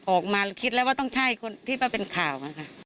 ออกมาคิดแล้วว่าต้องใช่คนที่ว่าเป็นข่าวอะค่ะ